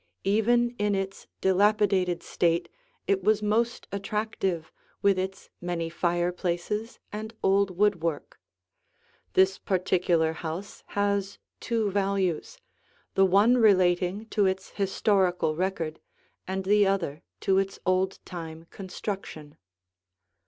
Even in its dilapidated state it was most attractive, with its many fireplaces and old woodwork. This particular house has two values, the one relating to its historical record and the other to its old time construction.